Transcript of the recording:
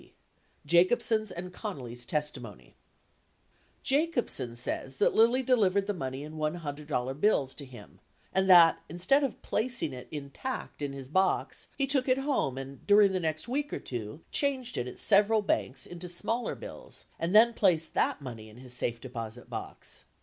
Jacobsen's and Connolly's Testimony Jacobsen says that Lilly delivered the money in $100 bills to him, and that, instead of placing it intact in his box, he took it home and, during the next week or two, changed it at several banks into smaller bills and then placed that money in his safe deposit box.